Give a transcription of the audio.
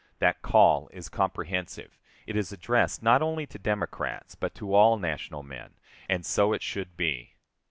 That call is comprehensive; it is addressed not only to Democrats, but to all national men, and so it should be.